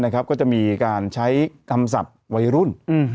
ก็จะมีการใช้คำศัพท์วัยรุ่น